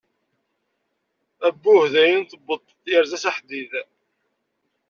Abbuh dayen tewweḍ tyerza s aḥdid.